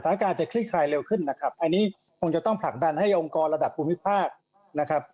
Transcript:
การจะคลี่คลายเร็วขึ้นนะครับอันนี้คงจะต้องผลักดันให้องค์กรระดับภูมิภาคนะครับ